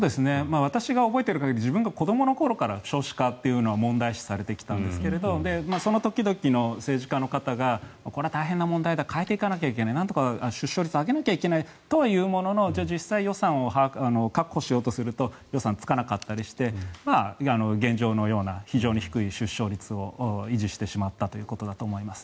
私が覚えている限り自分が子どもの頃から少子化というのは問題視されてきたんですがその時々の政治家の方がこれは大変な問題だ変えていかなければいけないなんとか出生率を上げていかなければいけないとは言うもののじゃあ、実際に予算を確保しようとすると予算がつかなかったりして現状のような非常に低い出生率を維持してしまったということだと思います。